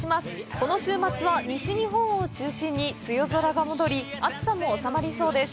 この週末は、西日本を中心に梅雨空が戻り、暑さもおさまりそうです。